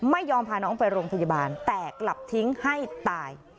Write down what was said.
ไม่ยอมพาน้องไปโรงพยาบาลแต่กลับทิ้งให้ตาย